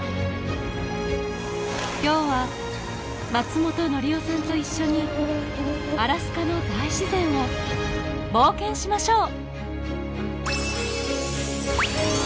今日は松本紀生さんと一緒にアラスカの大自然を冒険しましょう！